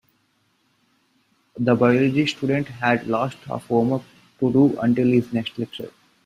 The biology students had lots of homework to do until the next lecture.